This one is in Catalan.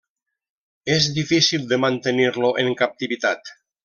És difícil de mantenir-lo en captivitat.